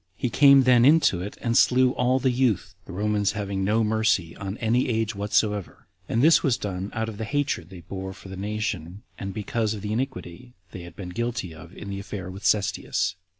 He came then into it, and slew all the youth, the Romans having no mercy on any age whatsoever; and this was done out of the hatred they bore the nation, and because of the iniquity they had been guilty of in the affair of Cestius.